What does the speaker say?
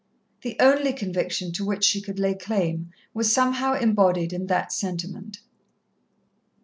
_" The only conviction to which she could lay claim was somehow embodied in that sentiment.